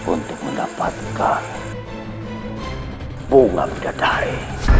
untuk mendapatkan bunga pindah daya